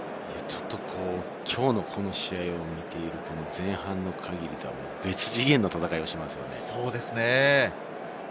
きょうのこの試合を見ていると、前半の限りでは、別次元の戦いをしていますね。